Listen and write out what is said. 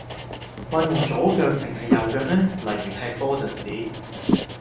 慣用左腳定係右腳呢？例如踢波陣時